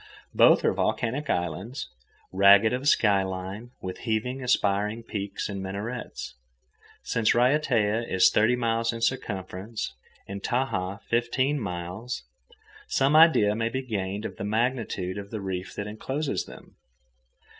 Both are volcanic islands, ragged of sky line, with heaven aspiring peaks and minarets. Since Raiatea is thirty miles in circumference, and Tahaa fifteen miles, some idea may be gained of the magnitude of the reef that encloses them.